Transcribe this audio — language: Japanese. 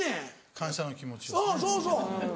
感謝の気持ちをね。